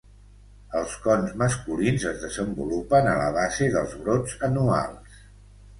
Els cons masculins es desenvolupen a la base dels brots anuals.